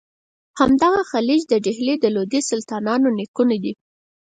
همدغه خلج د ډهلي د لودي سلطانانو نیکونه دي.